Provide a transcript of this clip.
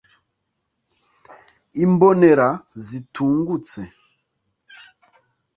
imbonera zitungutse